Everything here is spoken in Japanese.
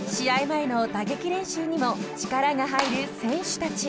前の打撃練習にも力が入る選手たち］